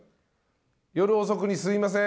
夜遅くにすみません